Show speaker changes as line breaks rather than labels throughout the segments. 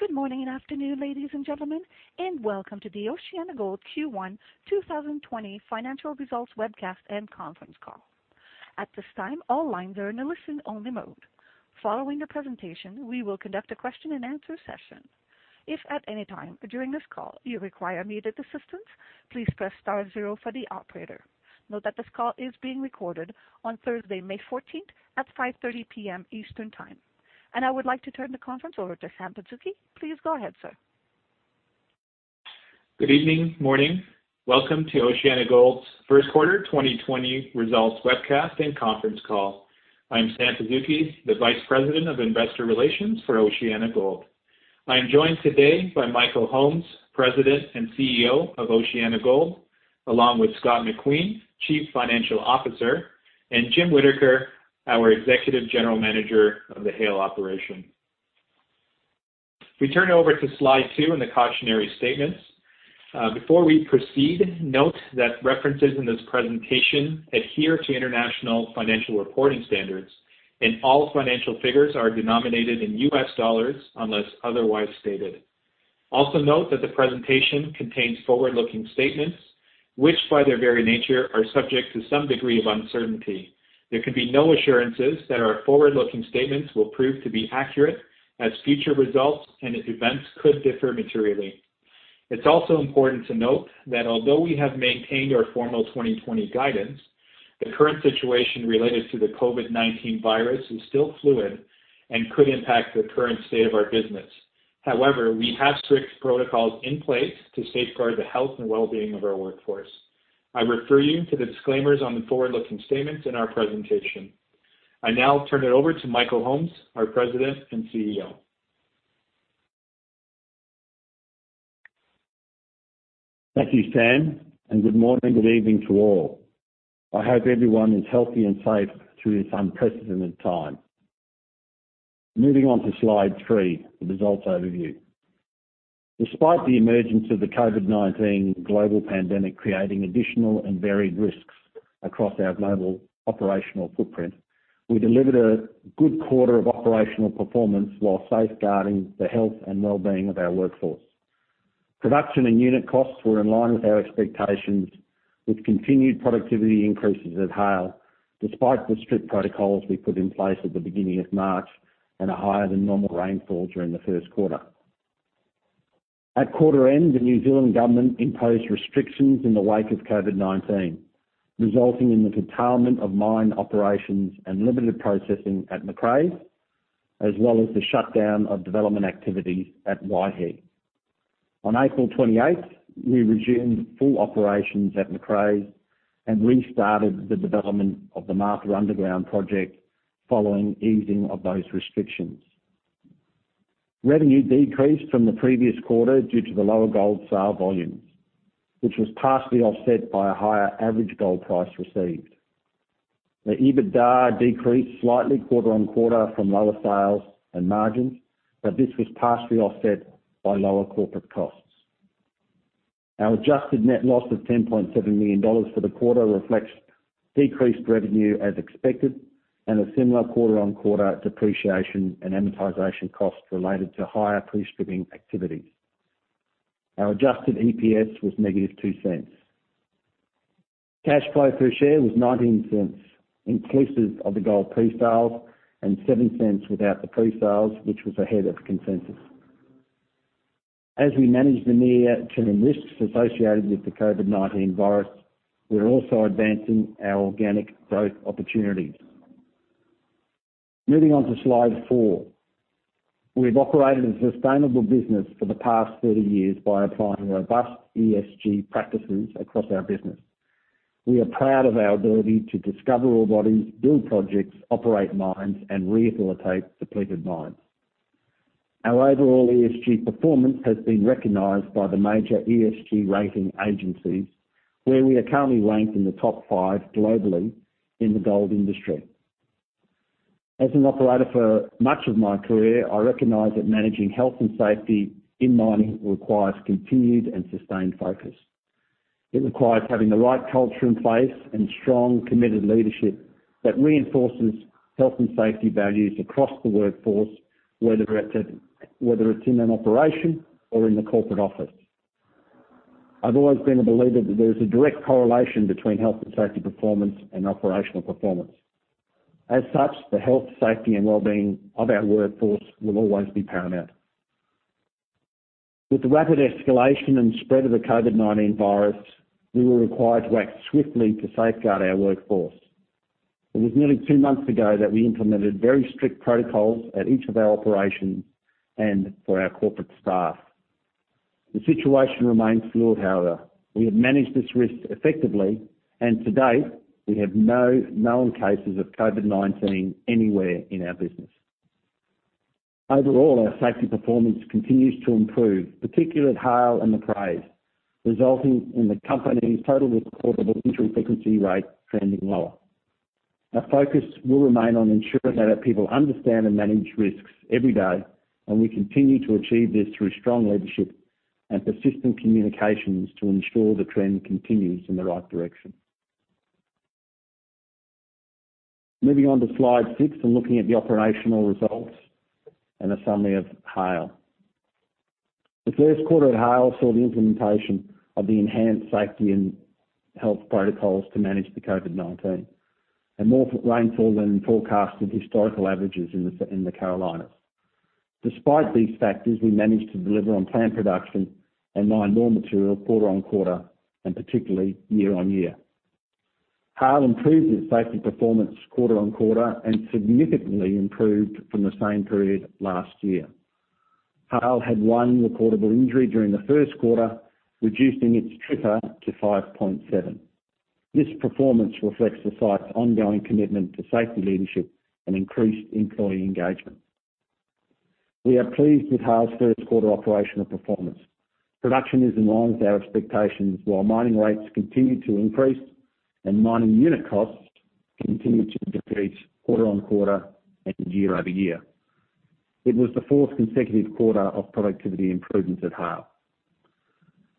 Good morning and afternoon, ladies and gentlemen, welcome to the OceanaGold Q1 2020 financial results webcast and conference call. At this time, all lines are in a listen-only mode. Following the presentation, we will conduct a question and answer session. If at any time during this call you require immediate assistance, please press star zero for the operator. Note that this call is being recorded on Thursday, May 14th at 5:30 P.M. Eastern Time. I would like to turn the conference over to Sam Pazuki. Please go ahead, sir.
Good evening, morning. Welcome to OceanaGold's first quarter 2020 results webcast and conference call. I'm Sam Pazuki, the Vice President of Investor Relations for OceanaGold. I am joined today by Michael Holmes, President and CEO of OceanaGold, along with Scott McQueen, Chief Financial Officer, and Jim Whittaker, our Executive General Manager of the Haile operation. If we turn over to slide two in the cautionary statements. Before we proceed, note that references in this presentation adhere to International Financial Reporting Standards, and all financial figures are denominated in U.S. dollars unless otherwise stated. Also, note that the presentation contains forward-looking statements, which, by their very nature, are subject to some degree of uncertainty. There can be no assurances that our forward-looking statements will prove to be accurate as future results and events could differ materially. It's also important to note that although we have maintained our formal 2020 guidance, the current situation related to the COVID-19 virus is still fluid and could impact the current state of our business. However, we have strict protocols in place to safeguard the health and well-being of our workforce. I refer you to the disclaimers on the forward-looking statements in our presentation. I now turn it over to Michael Holmes, our President and CEO.
Thank you, Sam, and good morning, good evening to all. I hope everyone is healthy and safe through this unprecedented time. Moving on to slide three, the results overview. Despite the emergence of the COVID-19 global pandemic creating additional and varied risks across our global operational footprint, we delivered a good quarter of operational performance while safeguarding the health and well-being of our workforce. Production and unit costs were in line with our expectations, with continued productivity increases at Haile, despite the strict protocols we put in place at the beginning of March and a higher than normal rainfall during the first quarter. At quarter end, the New Zealand Government imposed restrictions in the wake of COVID-19, resulting in the curtailment of mine operations and limited processing at Macraes, as well as the shutdown of development activities at Waihi. On April 28th, we resumed full operations at Macraes and restarted the development of the Martha Underground project following easing of those restrictions. Revenue decreased from the previous quarter due to the lower gold sale volumes, which was partially offset by a higher average gold price received. The EBITDA decreased slightly quarter-on-quarter from lower sales and margins, but this was partially offset by lower corporate costs. Our adjusted net loss of $10.7 million for the quarter reflects decreased revenue as expected and a similar quarter-on-quarter depreciation and amortization costs related to higher pre-stripping activities. Our adjusted EPS was negative $0.02. Cash flow per share was $0.19 inclusive of the gold pre-sales and $0.07 without the pre-sales, which was ahead of consensus. As we manage the near-term risks associated with the COVID-19 virus, we are also advancing our organic growth opportunities. Moving on to slide four. We've operated a sustainable business for the past 30 years by applying robust ESG practices across our business. We are proud of our ability to discover ore bodies, build projects, operate mines, and rehabilitate depleted mines. Our overall ESG performance has been recognized by the major ESG rating agencies, where we are currently ranked in the top five globally in the gold industry. As an operator for much of my career, I recognize that managing health and safety in mining requires continued and sustained focus. It requires having the right culture in place and strong, committed leadership that reinforces health and safety values across the workforce, whether it's in an operation or in the corporate office. I've always been a believer that there is a direct correlation between health and safety performance and operational performance. As such, the health, safety, and well-being of our workforce will always be paramount. With the rapid escalation and spread of the COVID-19 virus, we were required to act swiftly to safeguard our workforce. It was nearly two months ago that we implemented very strict protocols at each of our operations and for our corporate staff. The situation remains fluid, however. We have managed this risk effectively, and to date, we have no known cases of COVID-19 anywhere in our business. Overall, our safety performance continues to improve, particularly at Haile and Macraes, resulting in the company's total recordable injury frequency rate trending lower. Our focus will remain on ensuring that our people understand and manage risks every day, and we continue to achieve this through strong leadership and persistent communications to ensure the trend continues in the right direction. Moving on to slide six and looking at the operational results and a summary of Haile. The first quarter at Haile saw the implementation of the enhanced safety and health protocols to manage the COVID-19, and more rainfall than forecasted historical averages in the Carolinas. Despite these factors, we managed to deliver on plant production and mine ore material quarter-on-quarter, and particularly year-on-year. Haile improved its safety performance quarter-on-quarter and significantly improved from the same period last year. Haile had one recordable injury during the first quarter, reducing its TRIR to 5.7. This performance reflects the site's ongoing commitment to safety leadership and increased employee engagement. We are pleased with Haile's first quarter operational performance. Production is in line with our expectations, while mining rates continue to increase and mining unit costs continue to decrease quarter-on-quarter and year-over-year. It was the fourth consecutive quarter of productivity improvements at Haile.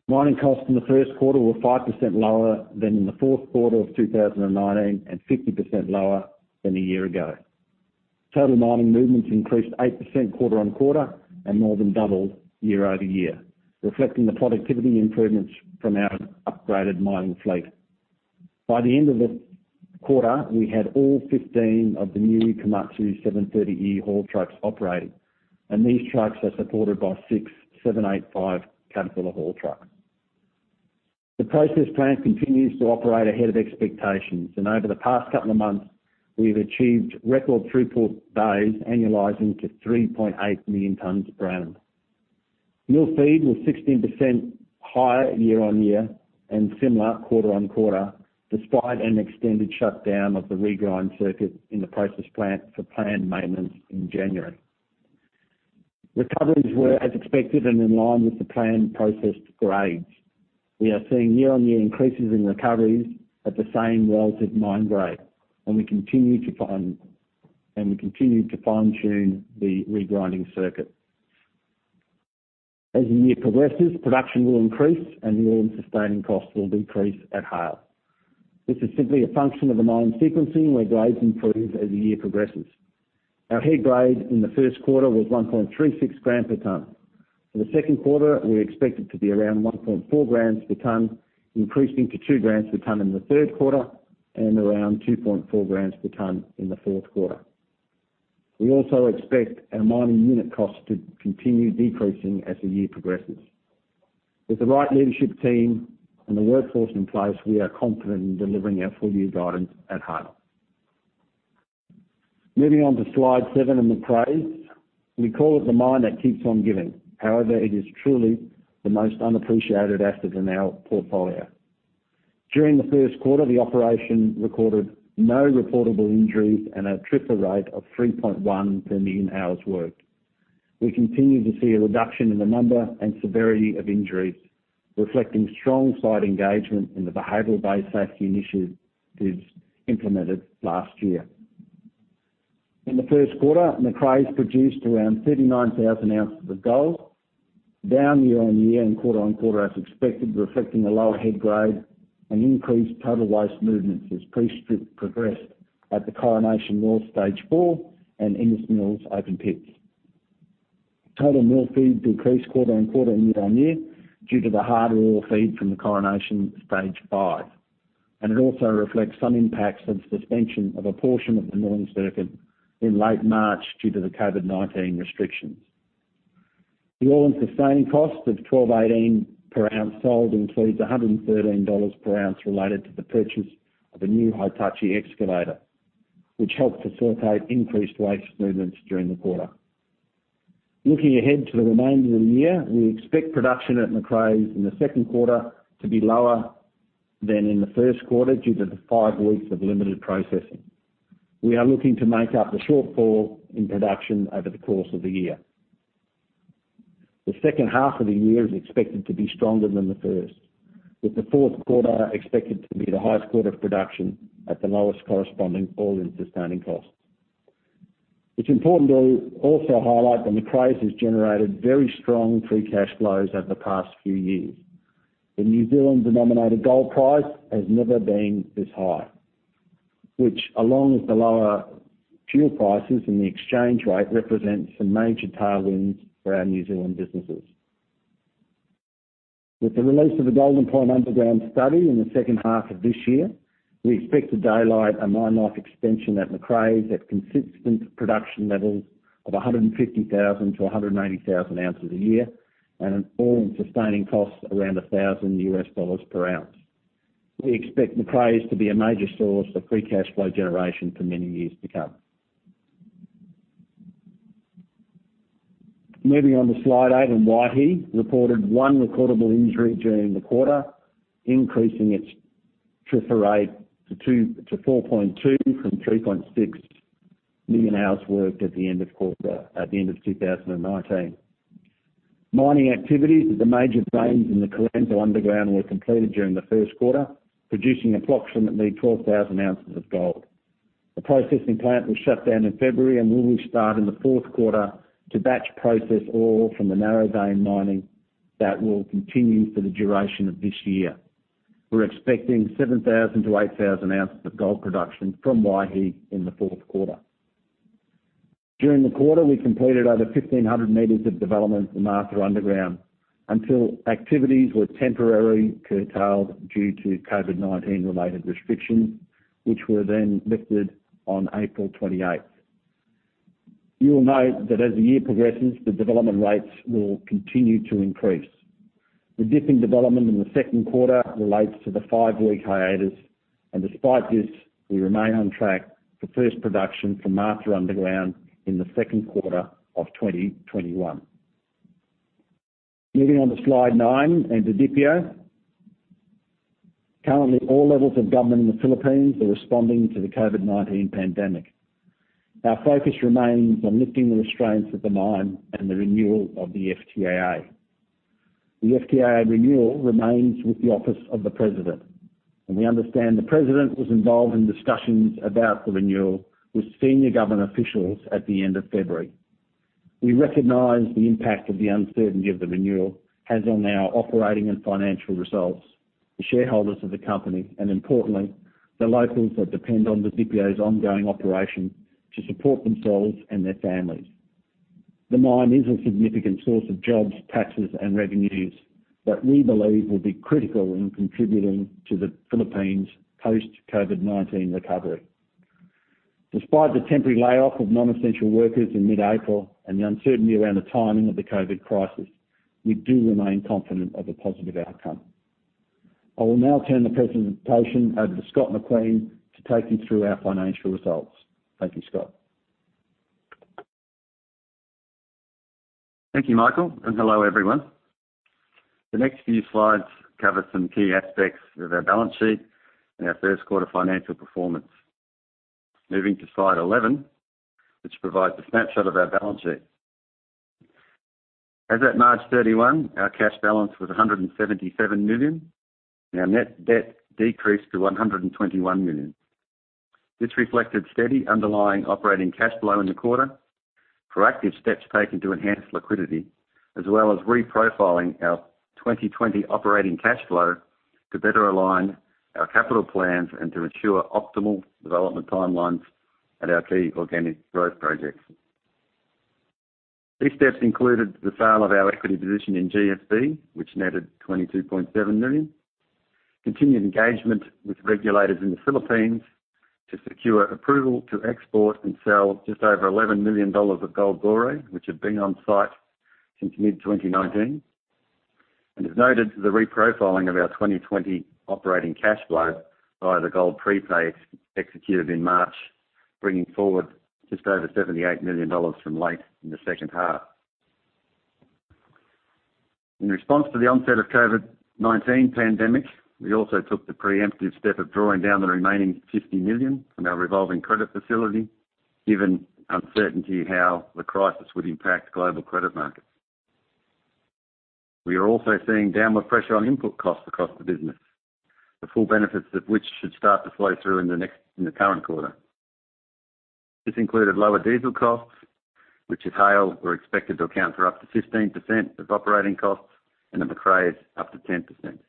Mining costs in the first quarter were 5% lower than in the fourth quarter of 2019 and 50% lower than a year ago. Total mining movements increased 8% quarter-on-quarter and more than doubled year-over-year, reflecting the productivity improvements from our upgraded mining fleet. By the end of the quarter, we had all 15 of the new Komatsu 730E haul trucks operating, and these trucks are supported by six Caterpillar 785 haul truck. The process plant continues to operate ahead of expectations, and over the past couple of months, we've achieved record throughput days annualizing to 3.8 million tons ground. Mill feed was 16% higher year-on-year and similar quarter-on-quarter, despite an extended shutdown of the regrind circuit in the process plant for plant maintenance in January. Recoveries were as expected and in line with the planned processed grades. We are seeing year-on-year increases in recoveries at the same relative mine grade, and we continue to fine-tune the regrinding circuit. As the year progresses, production will increase, and the all-in sustaining cost will decrease at Haile. This is simply a function of the mine sequencing, where grades improve as the year progresses. Our head grade in the first quarter was 1.36 gram per tonne. For the second quarter, we expect it to be around 1.4 grams per tonne, increasing to 2 grams per tonne in the third quarter and around 2.4 grams per tonne in the fourth quarter. We also expect our mining unit cost to continue decreasing as the year progresses. With the right leadership team and the workforce in place, we are confident in delivering our full-year guidance at Haile. Moving on to slide seven and Macraes. We call it the mine that keeps on giving. However, it is truly the most unappreciated asset in our portfolio. During the first quarter, the operation recorded no reportable injuries and a TRIR rate of 3.1 for million hours worked. We continue to see a reduction in the number and severity of injuries, reflecting strong site engagement in the behavioral-based safety initiatives implemented last year. In the first quarter, Macraes produced around 39,000 ounces of gold, down year-on-year and quarter-on-quarter as expected, reflecting a lower head grade and increased total waste movements as pre-strip progressed at the Coronation North stage 4 and Innes Mills open pits. Total mill feed decreased quarter-on-quarter and year-on-year due to the hard ore feed from the Coronation stage 5, and it also reflects some impacts of the suspension of a portion of the milling circuit in late March due to the COVID-19 restrictions. The all-in sustaining cost of $1,218 per ounce sold includes $113 per ounce related to the purchase of a new Hitachi excavator, which helped facilitate increased waste movements during the quarter. Looking ahead to the remainder of the year, we expect production at Macraes in the second quarter to be lower than in the first quarter due to the five weeks of limited processing. We are looking to make up the shortfall in production over the course of the year. The second half of the year is expected to be stronger than the first, with the fourth quarter expected to be the highest quarter of production at the lowest corresponding all-in sustaining cost. It's important to also highlight that Macraes has generated very strong free cash flows over the past few years. The New Zealand denominated gold price has never been this high, which along with the lower fuel prices and the exchange rate, represents some major tailwinds for our New Zealand businesses. With the release of the Golden Point underground study in the second half of this year, we expect to daylight a mine life extension at Macraes at consistent production levels of 150,000-180,000 ounces a year and an all-in sustaining cost around $1,000 per ounce. We expect Macraes to be a major source for free cash flow generation for many years to come. Moving on to slide eight, Waihi reported one recordable injury during the quarter, increasing its TRIR rate to 4.2 from 3.6 million hours worked at the end of 2019. Mining activities at the major veins in the Correnso Underground were completed during the first quarter, producing approximately 12,000 ounces of gold. The processing plant will shut down in February and will restart in the fourth quarter to batch process ore from the narrow vein mining. That will continue for the duration of this year. We're expecting 7,000 to 8,000 ounces of gold production from Waihi in the fourth quarter. During the quarter, we completed over 1,500 meters of development at Martha Underground until activities were temporarily curtailed due to COVID-19 related restrictions, which were then lifted on April 28th. You will note that as the year progresses, the development rates will continue to increase. The dip in development in the second quarter relates to the five-week hiatus, and despite this, we remain on track for first production from Martha Underground in the second quarter of 2021. Moving on to slide nine and to Didipio. Currently, all levels of government in the Philippines are responding to the COVID-19 pandemic. Our focus remains on lifting the restraints at the mine and the renewal of the FTAA. The FTAA renewal remains with the Office of the President. We understand the President was involved in discussions about the renewal with senior government officials at the end of February. We recognize the impact of the uncertainty of the renewal has on our operating and financial results, the shareholders of the company, and importantly, the locals that depend on the Didipio's ongoing operation to support themselves and their families. The mine is a significant source of jobs, taxes, and revenues that we believe will be critical in contributing to the Philippines' post-COVID-19 recovery. Despite the temporary layoff of non-essential workers in mid-April and the uncertainty around the timing of the COVID crisis, we do remain confident of a positive outcome. I will now turn the presentation over to Scott McQueen to take you through our financial results. Thank you. Scott McQueen.
Thank you, Michael, and hello, everyone. The next few slides cover some key aspects of our balance sheet and our first quarter financial performance. Moving to slide 11, which provides a snapshot of our balance sheet. As at March 31, our cash balance was $177 million. Our net debt decreased to $121 million. This reflected steady underlying operating cash flow in the quarter, proactive steps taken to enhance liquidity, as well as reprofiling our 2020 operating cash flow to better align our capital plans and to ensure optimal development timelines at our key organic growth projects. These steps included the sale of our equity position in GSV, which netted $22.7 million, continued engagement with regulators in the Philippines to secure approval to export and sell just over $11 million of gold ore, which had been on site since mid-2019. As noted, the reprofiling of our 2020 operating cash flow by the gold prepay executed in March, bringing forward just over $78 million from late in the second half. In response to the onset of COVID-19 pandemic, we also took the preemptive step of drawing down the remaining $50 million from our revolving credit facility, given uncertainty how the crisis would impact global credit markets. We are also seeing downward pressure on input costs across the business. The full benefits of which should start to flow through in the current quarter. This included lower diesel costs, which at Haile were expected to account for up to 15% of operating costs, and at Macraes up to 10%.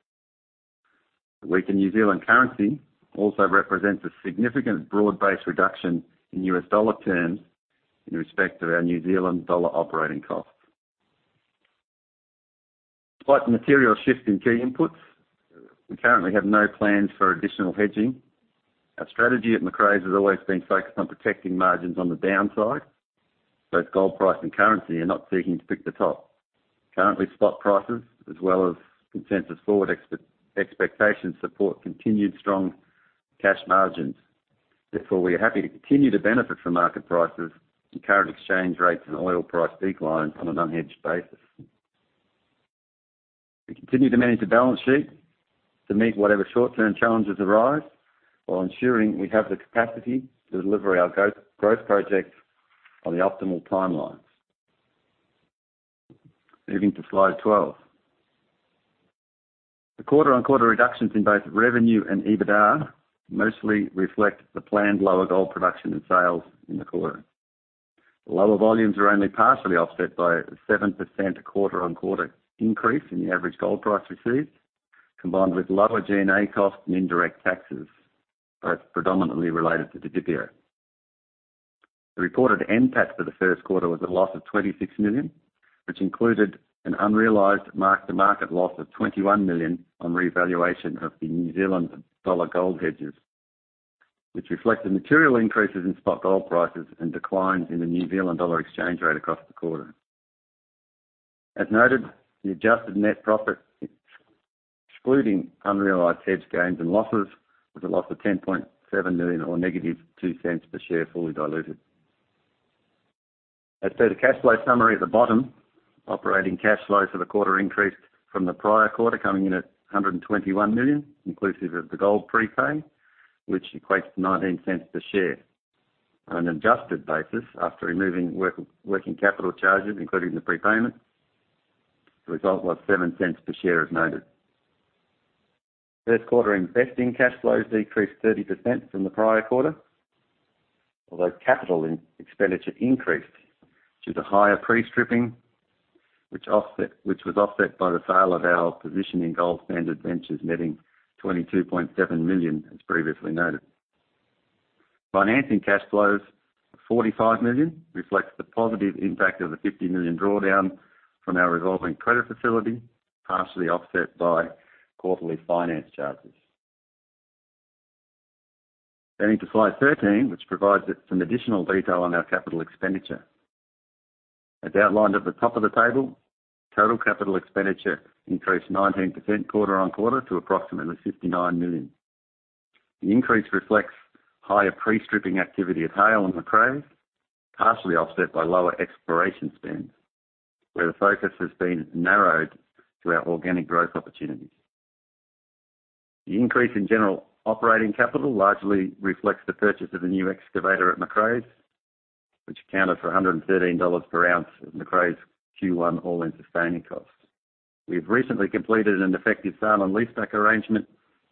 The weaker New Zealand currency also represents a significant broad-based reduction in US dollar terms in respect to our New Zealand dollar operating costs. Despite the material shift in key inputs, we currently have no plans for additional hedging. Our strategy at Macraes has always been focused on protecting margins on the downside, both gold price and currency and not seeking to pick the top. Currently, spot prices as well as consensus forward expectations support continued strong cash margins. We are happy to continue to benefit from market prices and current exchange rates and oil price declines on an unhedged basis. We continue to manage the balance sheet to meet whatever short-term challenges arise while ensuring we have the capacity to deliver our growth projects on the optimal timelines. Moving to slide 12. The quarter-on-quarter reductions in both revenue and EBITDA mostly reflect the planned lower gold production and sales in the quarter. Lower volumes are only partially offset by a 7% quarter-over-quarter increase in the average gold price received, combined with lower G&A costs and indirect taxes, both predominantly related to the Didipio. The reported NPAT for the first quarter was a loss of $26 million, which included an unrealized mark-to-market loss of $21 million on revaluation of the New Zealand dollar gold hedges, which reflected material increases in spot gold prices and declines in the New Zealand dollar exchange rate across the quarter. As noted, the adjusted net profit, excluding unrealized hedge gains and losses, was a loss of $10.7 million or negative $0.02 per share fully diluted. As per the cash flow summary at the bottom, operating cash flows for the quarter increased from the prior quarter, coming in at $121 million, inclusive of the gold prepay, which equates to $0.19 per share. On an adjusted basis, after removing working capital charges, including the prepayment, the result was $0.07 per share, as noted. First quarter investing cash flows decreased 30% from the prior quarter. Although capital expenditure increased, due to higher pre-stripping, which was offset by the sale of our position in Gold Standard Ventures netting $22.7 million, as previously noted. Financing cash flows of $45 million reflects the positive impact of the $50 million drawdown from our revolving credit facility, partially offset by quarterly finance charges. Into slide 13, which provides some additional detail on our capital expenditure. As outlined at the top of the table, total capital expenditure increased 19% quarter on quarter to approximately $59 million. The increase reflects higher pre-stripping activity at Haile and Macraes, partially offset by lower exploration spends, where the focus has been narrowed to our organic growth opportunities. The increase in general operating capital largely reflects the purchase of a new excavator at Macraes, which accounted for $113 per ounce of Macraes' Q1 all-in sustaining cost. We've recently completed an effective sale and leaseback arrangement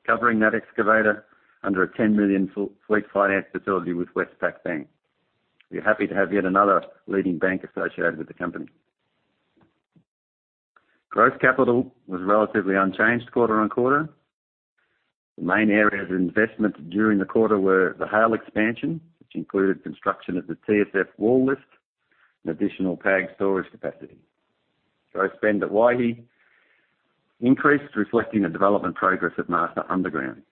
covering that excavator under a $10 million equipment finance facility with Westpac Bank. We're happy to have yet another leading bank associated with the company. Growth capital was relatively unchanged quarter-on-quarter. The main areas of investment during the quarter were the Haile expansion, which included construction of the TSF wall lift and additional tailings storage capacity. Growth spend at Waihi increased, reflecting the development progress at Martha Underground.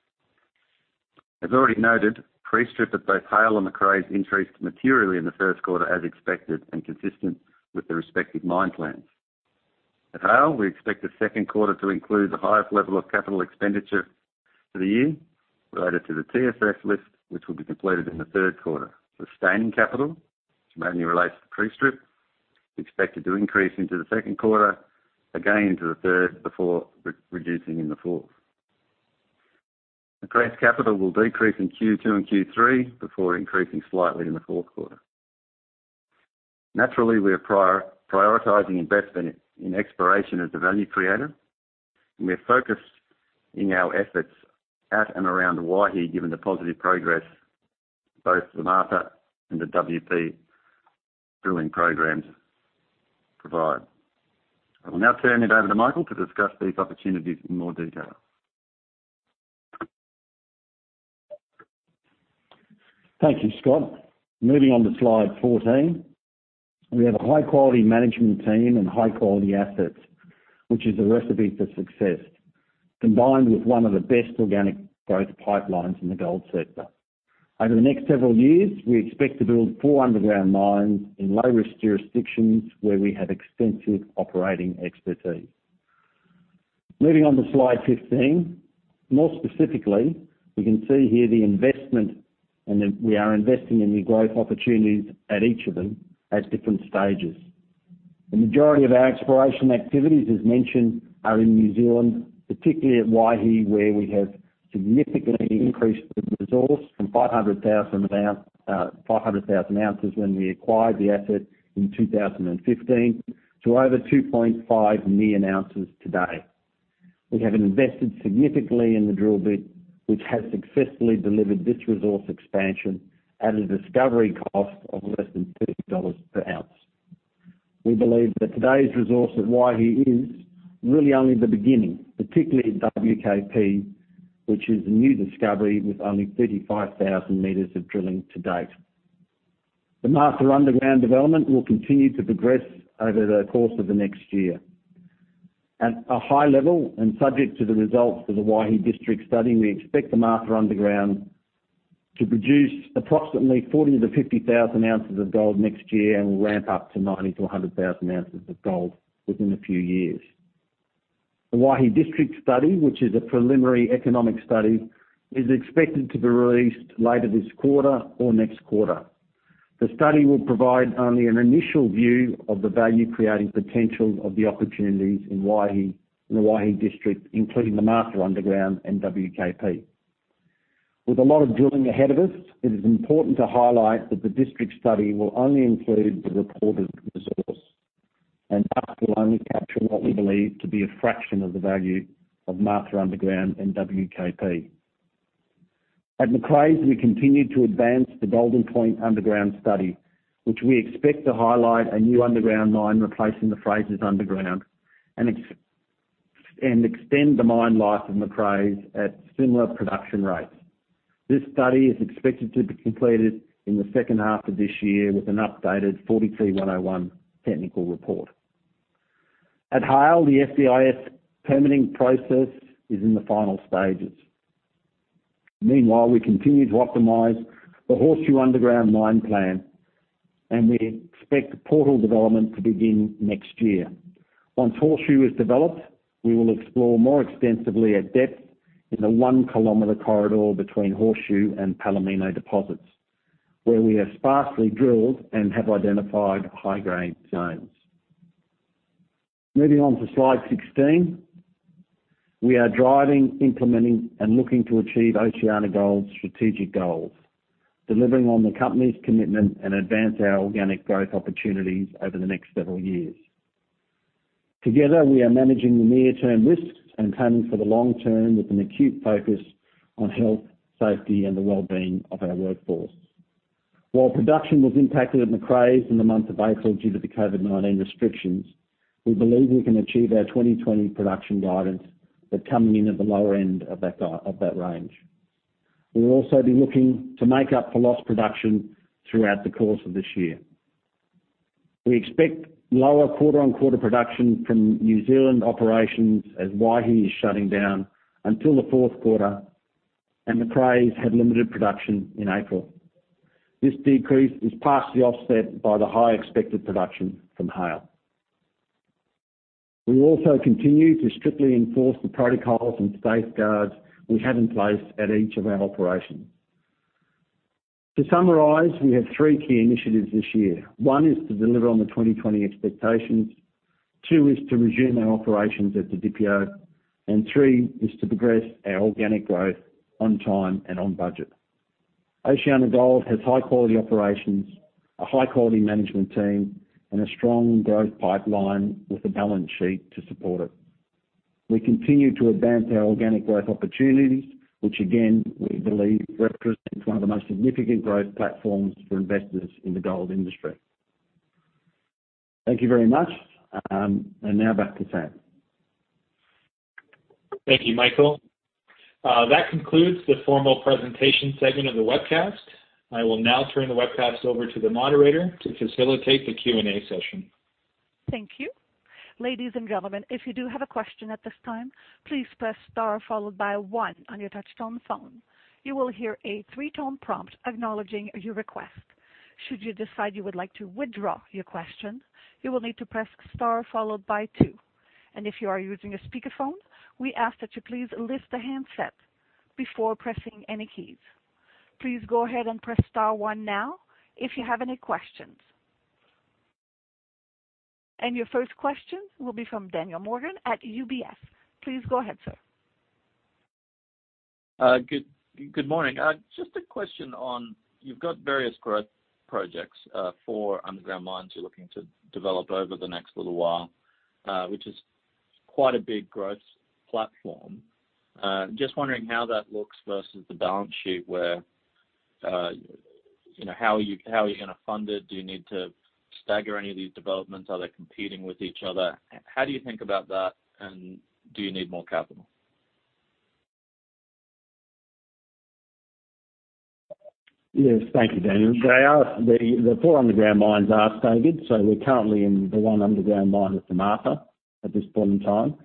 As already noted, pre-strip at both Haile and Macraes increased materially in the first quarter as expected and consistent with the respective mine plans. At Haile, we expect the second quarter to include the highest level of capital expenditure for the year related to the TSF lift, which will be completed in the third quarter. Sustaining capital, which mainly relates to pre-strip, is expected to increase into the second quarter, again into the third, before reducing in the fourth. Macraes capital will decrease in Q2 and Q3, before increasing slightly in the fourth quarter. Naturally, we are prioritizing investment in exploration as a value creator, and we are focused in our efforts at and around Waihi, given the positive progress both the Martha and the WKP drilling programs provide. I will now turn it over to Michael to discuss these opportunities in more detail.
Thank you, Scott. Moving on to slide 14. We have a high-quality management team and high-quality assets, which is a recipe for success, combined with one of the best organic growth pipelines in the gold sector. Over the next several years, we expect to build four underground mines in low-risk jurisdictions where we have extensive operating expertise. Moving on to slide 15. More specifically, we can see here the investment, and that we are investing in new growth opportunities at each of them at different stages. The majority of our exploration activities, as mentioned, are in New Zealand, particularly at Waihi, where we have significantly increased the resource from 500,000 ounces when we acquired the asset in 2015, to over 2.5 million ounces today. We have invested significantly in the drill bit, which has successfully delivered this resource expansion at a discovery cost of less than $30 per ounce. We believe that today's resource at Waihi is really only the beginning, particularly at WKP, which is a new discovery with only 35,000 meters of drilling to date. The Martha Underground development will continue to progress over the course of the next year. At a high level, and subject to the results of the Waihi District Study, we expect the Martha Underground to produce approximately 40,000-50,000 ounces of gold next year and will ramp up to 90,000-100,000 ounces of gold within a few years. The Waihi District Study, which is a preliminary economic study, is expected to be released later this quarter or next quarter. The study will provide only an initial view of the value-creating potential of the opportunities in the Waihi district, including the Martha Underground and WKP. With a lot of drilling ahead of us, it is important to highlight that the district study will only include the reported resource, and thus will only capture what we believe to be a fraction of the value of Martha Underground and WKP. At Macraes, we continue to advance the Golden Point Underground study, which we expect to highlight a new underground mine replacing the Frasers Underground and extend the mine life of Macraes at similar production rates. This study is expected to be completed in the second half of this year with an updated 43-101 technical report. At Haile, the SEIS permitting process is in the final stages. Meanwhile, we continue to optimize the Horseshoe Underground mine plan, and we expect portal development to begin next year. Once Horseshoe is developed, we will explore more extensively at depth in the one-kilometer corridor between Horseshoe and Palomino deposits, where we have sparsely drilled and have identified high-grade zones. Moving on to slide 16. We are driving, implementing, and looking to achieve OceanaGold's strategic goals, delivering on the company's commitment and advance our organic growth opportunities over the next several years. Together, we are managing the near-term risks and planning for the long term with an acute focus on health, safety, and the well-being of our workforce. While production was impacted at Macraes in the month of April due to the COVID-19 restrictions, we believe we can achieve our 2020 production guidance, but coming in at the lower end of that range. We will also be looking to make up for lost production throughout the course of this year. We expect lower quarter-on-quarter production from New Zealand operations as Waihi is shutting down until the fourth quarter, and Macraes had limited production in April. This decrease is partially offset by the high expected production from Haile. We also continue to strictly enforce the protocols and safeguards we have in place at each of our operations. To summarize, we have three key initiatives this year. One is to deliver on the 2020 expectations, two is to resume our operations at the Didipio, and three is to progress our organic growth on time and on budget. OceanaGold has high-quality operations, a high-quality management team, and a strong growth pipeline with a balance sheet to support it. We continue to advance our organic growth opportunities, which again, we believe represents one of the most significant growth platforms for investors in the gold industry. Thank you very much. Now back to Sam.
Thank you, Michael. That concludes the formal presentation segment of the webcast. I will now turn the webcast over to the moderator to facilitate the Q&A session.
Thank you. Ladies and gentlemen, if you do have a question at this time, please press star followed by one on your touch-tone phone. You will hear a three-tone prompt acknowledging your request. Should you decide you would like to withdraw your question, you will need to press star followed by two. If you are using a speakerphone, we ask that you please lift the handset before pressing any keys. Please go ahead and press star one now if you have any questions. Your first question will be from Daniel Morgan at UBS. Please go ahead, sir.
Good morning. Just a question on, you've got various growth projects for underground mines you're looking to develop over the next little while, which is quite a big growth platform. Just wondering how that looks versus the balance sheet. How are you going to fund it? Do you need to stagger any of these developments? Are they competing with each other? How do you think about that, and do you need more capital?
Yes. Thank you, Daniel. The four underground mines are staggered. We're currently in the one underground mine at Martha at this point in time.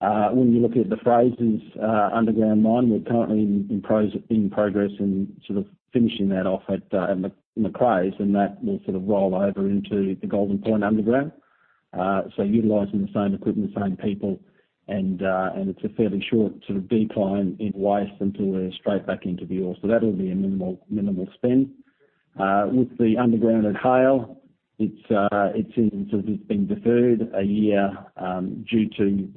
When you're looking at the Frasers Underground Mine, we're currently in progress in sort of finishing that off at Macraes, and that will sort of roll over into the Golden Point Underground. Utilizing the same equipment, same people, and it's a fairly short sort of decline in waste until we're straight back into the ore. That'll be a minimal spend. With the underground at Haile, it seems as if it's been deferred a year due to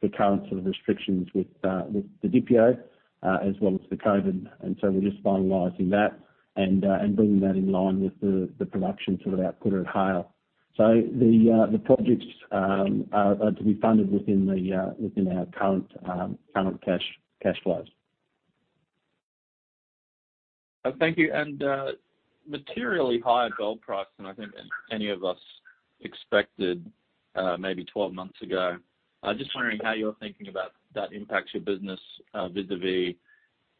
the current sort of restrictions with the Didipio, as well as the COVID, and so we're just finalizing that and bringing that in line with the production output at Haile. The projects are to be funded within our current cash flows.
Thank you. Materially higher gold price than I think any of us expected maybe 12 months ago. Just wondering how you're thinking about that impacts your business vis-a-vis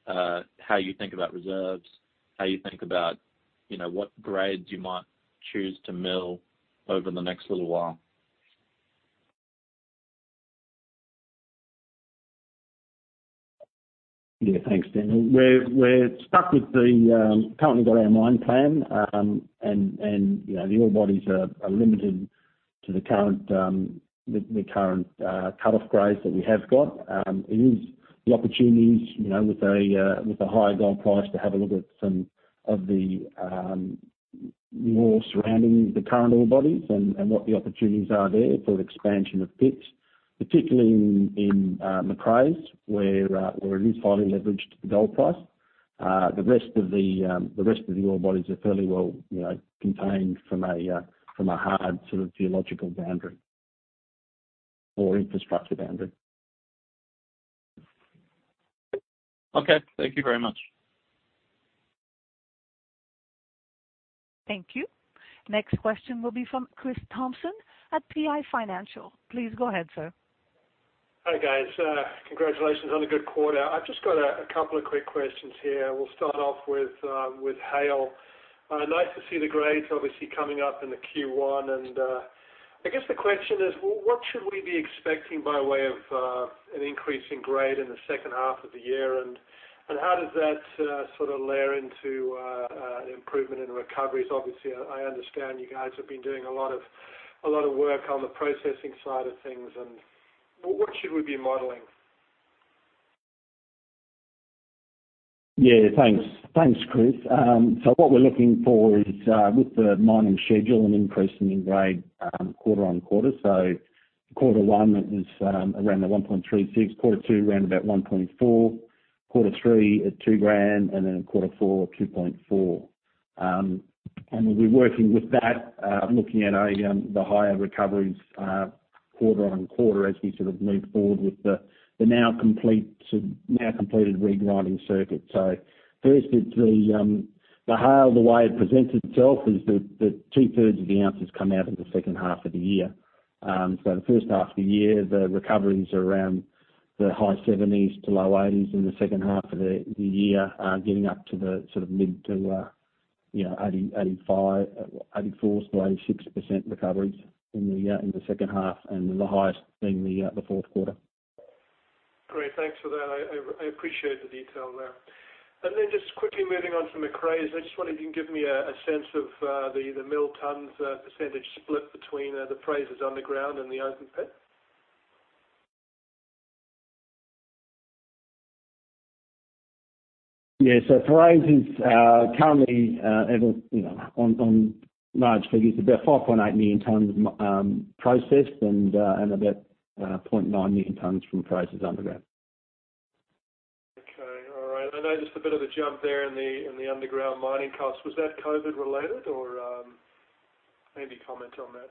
how you think about reserves, how you think about what grades you might choose to mill over the next little while?
Yeah. Thanks, Daniel. We're stuck with the, currently got our mine plan, and the ore bodies are limited to the current cutoff grades that we have got. It is the opportunities with a higher gold price to have a look at some of the ore surrounding the current ore bodies and what the opportunities are there for expansion of pits, particularly in Macraes, where it is highly leveraged to the gold price. The rest of the ore bodies are fairly well contained from a hard sort of geological boundary or infrastructure boundary.
Okay. Thank you very much.
Thank you. Next question will be from Chris Thompson at PI Financial. Please go ahead, sir.
Hi, guys. Congratulations on a good quarter. I've just got a couple of quick questions here. We'll start off with Haile. Nice to see the grades obviously coming up into Q1. I guess the question is, what should we be expecting by way of an increase in grade in the second half of the year, and how does that sort of layer into an improvement in recoveries? Obviously, I understand you guys have been doing a lot of work on the processing side of things and what should we be modeling?
Yeah. Thanks, Chris. What we're looking for is, with the mining schedule, an increase in grade quarter on quarter. Quarter 1 is around the 1.36, quarter 2 around about 1.4, quarter 3 at two grams, and then in quarter 4, 2.4. We'll be working with that, looking at the higher recoveries quarter on quarter as we sort of move forward with the now completed re-grinding circuit. Firstly, the Haile, the way it presents itself is that two-thirds of the ounces come out in the second half of the year. The first half of the year, the recovery is around the high 70s to low 80s. In the second half of the year, getting up to the sort of mid to 84%-86% recoveries in the second half, and the highest being the fourth quarter.
Great. Thanks for that. I appreciate the detail there. Then just quickly moving on from the Frasers, I just wonder if you can give me a sense of the mill tons % split between the Frasers Underground and the open pit.
Frasers is currently, on large figures, about 5.8 million tons processed and about 0.9 million tons from Frasers Underground.
Okay. All right. I know just a bit of a jump there in the underground mining cost. Was that COVID related or any comment on that?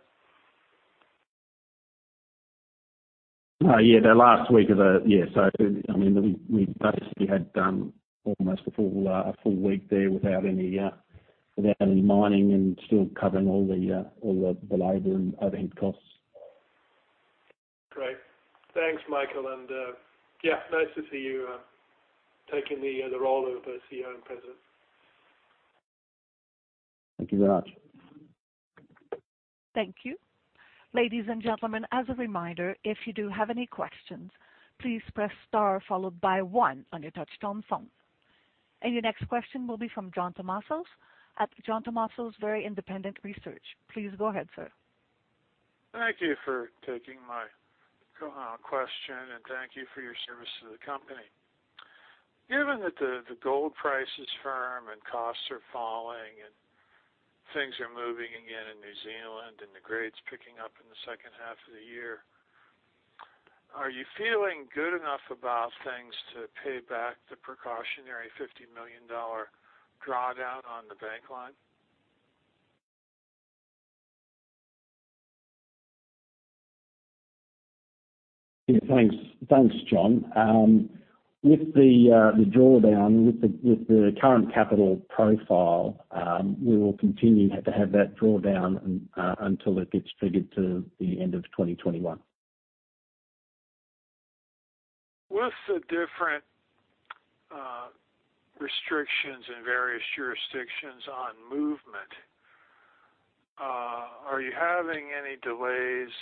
We basically had done almost a full week there without any mining and still covering all the labor and overhead costs.
Great. Thanks, Michael, and yeah, nice to see you taking the role of CEO and President.
Thank you very much.
Thank you. Ladies and gentlemen, as a reminder, if you do have any questions, please press star followed by one on your touchtone phone. Your next question will be from John Tumazos at John Tumazos Very Independent Research. Please go ahead, sir.
Thank you for taking my question. Thank you for your service to the company. Given that the gold price is firm and costs are falling and things are moving again in New Zealand and the grades picking up in the second half of the year, are you feeling good enough about things to pay back the precautionary $50 million drawdown on the bank line?
Yeah. Thanks, John. With the drawdown, with the current capital profile, we will continue to have that drawdown until it gets figured to the end of 2021.
With the different restrictions in various jurisdictions on movement, are you having any delays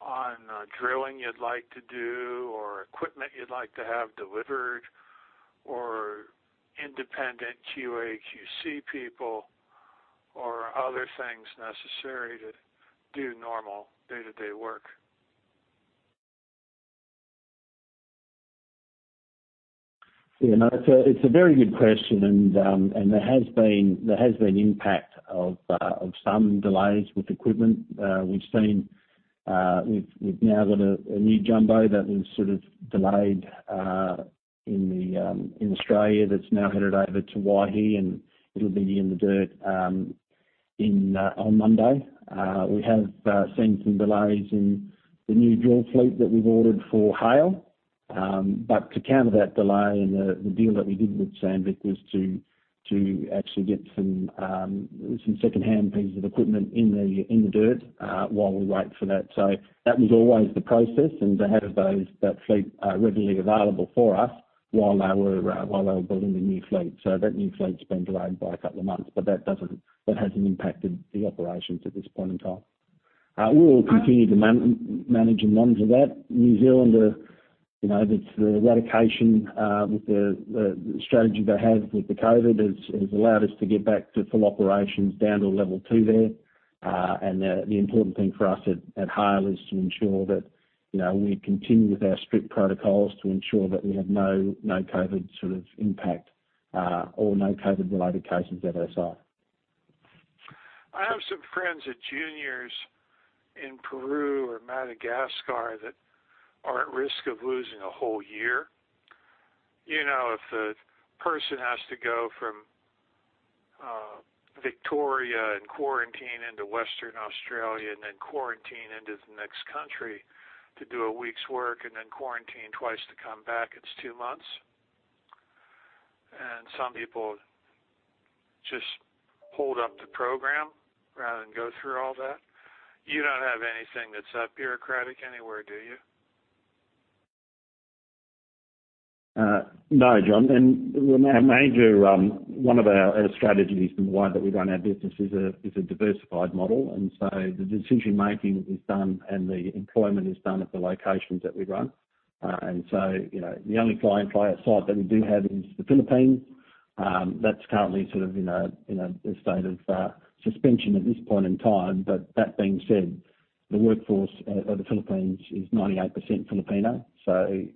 on drilling you'd like to do or equipment you'd like to have delivered or independent QA, QC people or other things necessary to do normal day-to-day work?
It's a very good question. There has been impact of some delays with equipment. We've now got a new jumbo that was sort of delayed in Australia that's now headed over to Waihi, and it'll be in the dirt on Monday. We have seen some delays in the new drill fleet that we've ordered for Haile. To counter that delay and the deal that we did with Sandvik was to actually get some second-hand pieces of equipment in the dirt, while we wait for that. That was always the process and to have that fleet readily available for us while they were building the new fleet. That new fleet's been delayed by a couple of months, but that hasn't impacted the operations at this point in time. We'll continue to manage and monitor that. New Zealand, with the eradication, with the strategy they have with the COVID, has allowed us to get back to full operations down to level 2 there. The important thing for us at Haile is to ensure that we continue with our strict protocols to ensure that we have no COVID sort of impact, or no COVID-related cases at our site.
I have some friends at Juniors in Peru or Madagascar that are at risk of losing a whole year. If a person has to go from Victoria and quarantine into Western Australia and then quarantine into the next country to do a week's work and then quarantine twice to come back, it's two months. Some people just hold up the program rather than go through all that. You don't have anything that's that bureaucratic anywhere, do you?
No, John. One of our strategies and the way that we run our business is a diversified model. The decision-making is done and the employment is done at the locations that we run. The only client site that we do have is the Philippines. That's currently sort of in a state of suspension at this point in time. That being said, the workforce of the Philippines is 98% Filipino.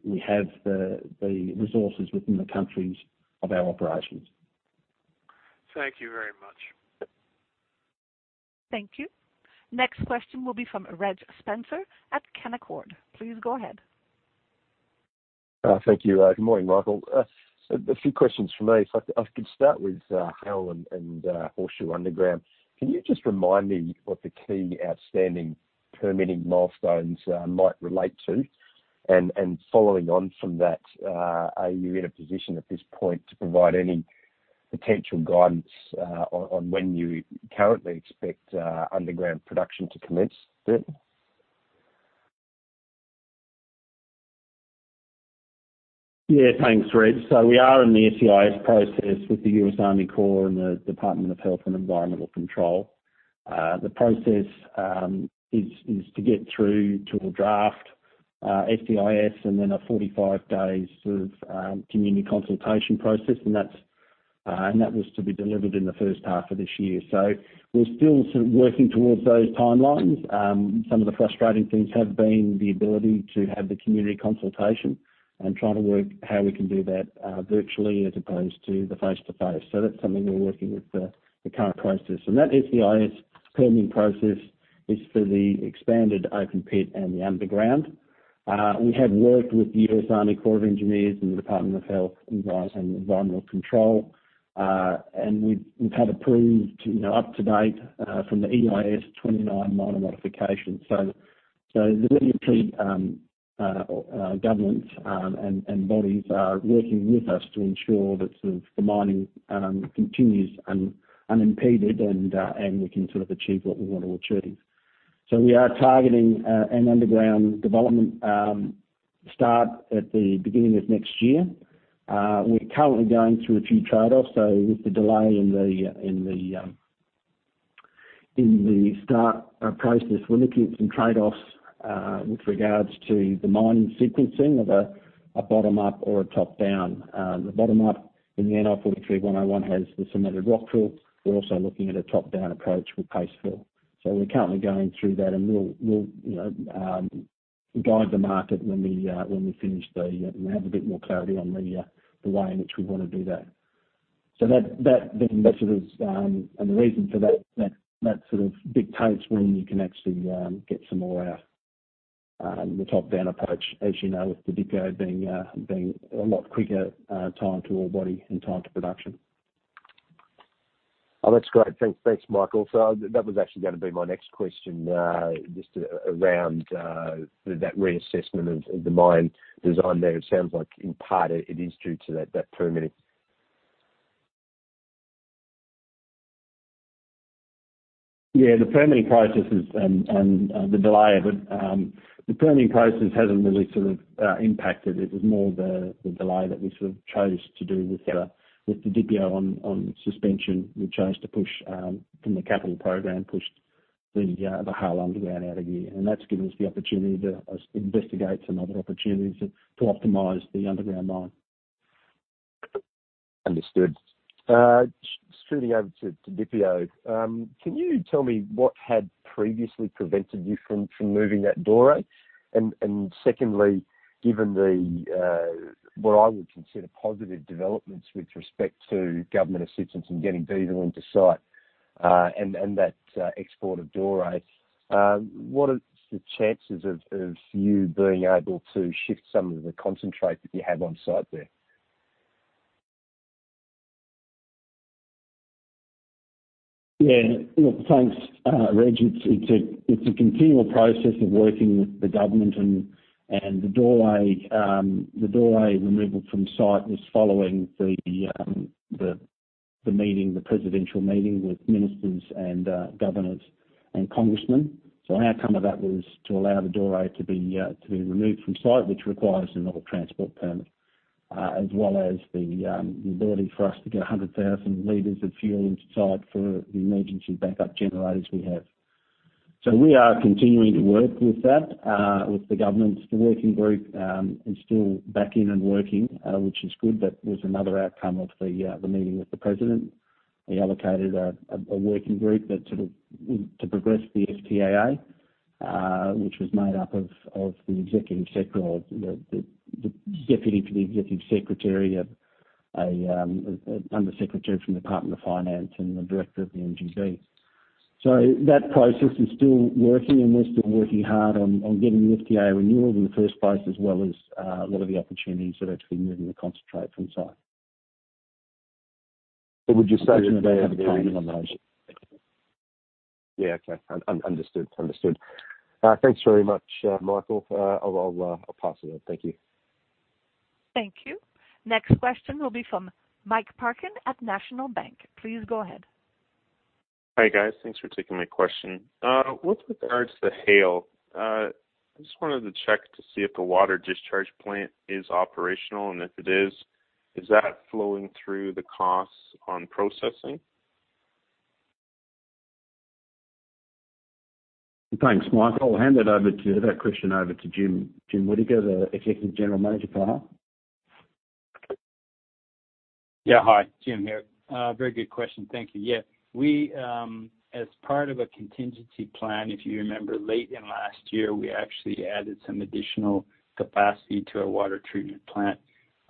We have the resources within the countries of our operations. Thank you very much.
Thank you. Next question will be from Reg Spencer at Canaccord. Please go ahead.
Thank you. Good morning, Michael. A few questions from me. If I could start with Haile and Horseshoe Underground, can you just remind me what the key outstanding permitting milestones might relate to? Following on from that, are you in a position at this point to provide any potential guidance on when you currently expect underground production to commence there?
Yeah. Thanks, Reg. We are in the SEIS process with the U.S. Army Corps and the Department of Health and Environmental Control. The process is to get through to a draft SEIS and then a 45 days of community consultation process. That was to be delivered in the first half of this year. We're still sort of working towards those timelines. Some of the frustrating things have been the ability to have the community consultation and trying to work how we can do that virtually as opposed to the face-to-face. That's something we're working with the current crisis. That SEIS permitting process is for the expanded open pit and the underground. We have worked with the U.S. Army Corps of Engineers and the Department of Health and Environmental Control. We've had approved up-to-date, from the EIS, 29 minor modifications. The various state governments and bodies are working with us to ensure that the mining continues unimpeded and we can achieve what we want to achieve. We are targeting an underground development start at the beginning of next year. We're currently going through a few trade-offs. With the delay in the start process, we're looking at some trade-offs with regards to the mining sequencing of a bottom up or a top-down. The bottom up in the NI 43-101 has the cemented rock fill. We're also looking at a top-down approach with paste fill. We're currently going through that and we'll guide the market when we finish and have a bit more clarity on the way in which we want to do that. The reason for that sort of dictates when you can actually get some ore out. The top-down approach, as you know, with the Didipio being a lot quicker time to ore body and time to production.
Oh, that's great. Thanks, Michael. That was actually going to be my next question, just around that reassessment of the mine design there. It sounds like in part it is due to that permitting.
Yeah, the permitting process and the delay of it. The permitting process hasn't really impacted it. It was more the delay that we chose to do with the Didipio on suspension. We chose, from the capital program, pushed the whole underground out a year. That's given us the opportunity to investigate some other opportunities to optimize the underground mine.
Understood. Just turning over to Didipio. Can you tell me what had previously prevented you from removing that doré? Secondly, given the, what I would consider positive developments with respect to government assistance in getting diesel into site, and that export of doré, what are the chances of you being able to shift some of the concentrate that you have on site there?
Yeah. Look, thanks, Reg. It's a continual process of working with the government. The doré removal from site was following the presidential meeting with ministers and governors and congressmen. An outcome of that was to allow the doré to be removed from site, which requires another transport permit, as well as the ability for us to get 100,000 liters of fuel into site for the emergency backup generators we have. We are continuing to work with that, with the government's working group is still backing and working, which is good. That was another outcome of the meeting with the president. He allocated a working group to progress the FTAA, which was made up of the deputy to the executive secretary, an undersecretary from Department of Finance, and the director of the MGB. That process is still working, and we're still working hard on getting the FTAA renewal in the first place, as well as a lot of the opportunities for actually moving the concentrate from site.
Would you say that there's?
In addition to having the training on those.
Yeah. Okay. Understood. Thanks very much, Michael. I'll pass it on. Thank you.
Thank you. Next question will be from Mike Parkin at National Bank. Please go ahead.
Hi, guys. Thanks for taking my question. With regards to Haile, I just wanted to check to see if the water discharge plant is operational, and if it is that flowing through the costs on processing?
Thanks, Michael. I'll hand that question over to Jim Whittaker, the executive general manager for Haile.
Yeah. Hi, Jim here. Very good question. Thank you. Yeah. As part of a contingency plan, if you remember late in last year, we actually added some additional capacity to our water treatment plant.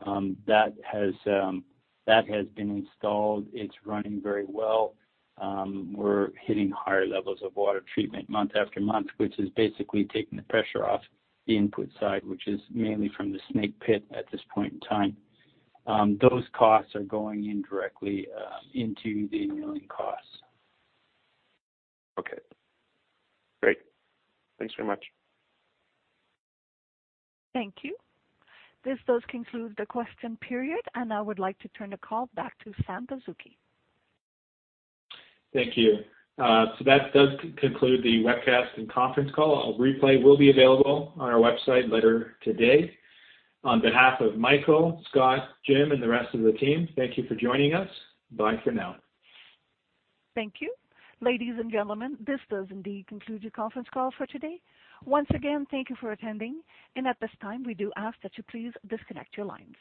That has been installed. It's running very well. We're hitting higher levels of water treatment month after month, which is basically taking the pressure off the input side, which is mainly from the Snake Pit at this point in time. Those costs are going in directly into the milling costs.
Okay. Great. Thanks very much.
Thank you. This does conclude the question period, and I would like to turn the call back to Sam Pazuki.
Thank you. That does conclude the webcast and conference call. A replay will be available on our website later today. On behalf of Michael, Scott, Jim, and the rest of the team, thank you for joining us. Bye for now.
Thank you. Ladies and gentlemen, this does indeed conclude your conference call for today. Once again, thank you for attending. At this time, we do ask that you please disconnect your lines.